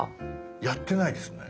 やってないですね。